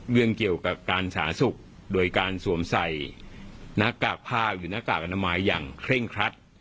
เรื่องเกี่ยวกับการสาธารณสุขโดยการสวมใส่หน้ากากผ้าหรือหน้ากากอนามัยอย่างเคร่งครัด